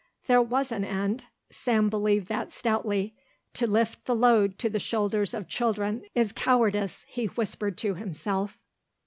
There was an end. Sam believed that stoutly. "To shift the load to the shoulders of children is cowardice," he whispered to himself.